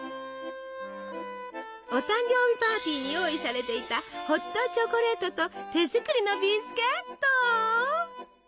お誕生日パーティーに用意されていたホットチョコレートと手作りのビスケット。